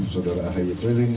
saudara ahy keliling